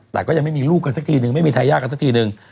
แต่ก็ยังไม่มีลูกกันสักทีนึงไม่มีทายาทกันสักทีนึง